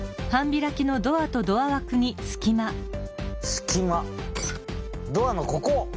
すきまドアのここ！